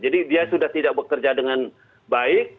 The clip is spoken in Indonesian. jadi dia sudah tidak bekerja dengan baik